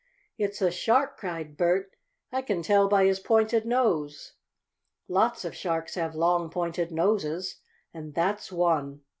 "It's a shark!" cried Bert. "I can tell by his pointed nose. Lots of sharks have long, pointed noses, and that's one!"